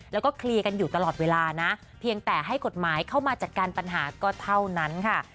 แล้วก็เคลียร์กันอยู่ตลอดเวลานะเพียงแต่ให้กฎหมายเข้ามาจัดการปัญหาก็เท่านั้นค่ะ